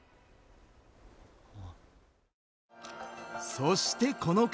そしてこの方！